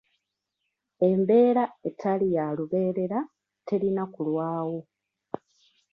Embeera etali ya lubeerera terina kulwawo.